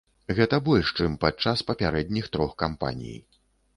Гэта больш, чым падчас папярэдніх трох кампаній.